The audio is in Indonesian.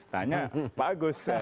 tanya pak agus